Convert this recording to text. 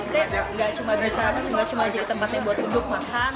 tidak cuma tempatnya untuk duduk makan